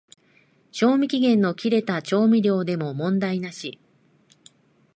賞味期限の切れた調味料でも問題なし